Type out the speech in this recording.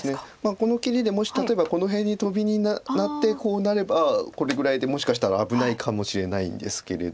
この切りでもし例えばこの辺にトビになってこうなればこれぐらいでもしかしたら危ないかもしれないんですけれど。